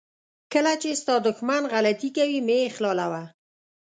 کله چې ستا دښمن غلطي کوي مه یې اخلالوه.